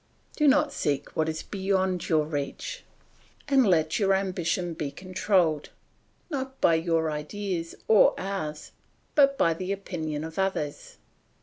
Do not seek what is beyond your reach, and let your ambition be controlled, not by your ideas or ours, but by the opinion of others.